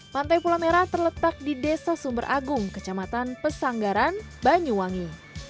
pantai pulau merah terletak di desa sumber agung kecamatan pesanggaran banyuwangi